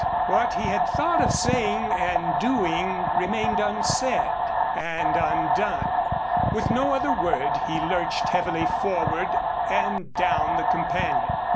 What he had thought of saying and doing remained unsaid and undone. With no other word he lurched heavily forward and down the companion.